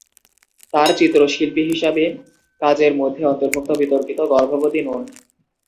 তার চিত্রশিল্পী হিসাবে কাজের মধ্যে অন্তর্ভুক্ত বিতর্কিত "গর্ভবতী নুন।"